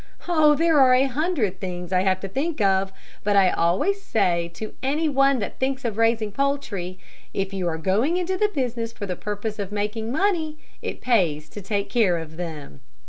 Oh, there are a hundred things I have to think of, but I always say to any one that thinks of raising poultry: 'If you are going into the business for the purpose of making money, it pays to take care of them.'"